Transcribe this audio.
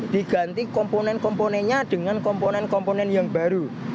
diganti komponen komponennya dengan komponen komponen yang baru